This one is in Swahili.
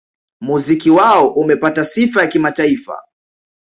Muziki wao umepata sifa ya kimataifa